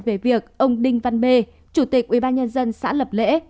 về việc ông đinh văn b chủ tịch ubnd xã lập lễ